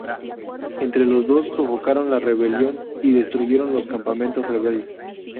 Entre los dos sofocaron la rebelión y destruyeron los campamentos rebeldes.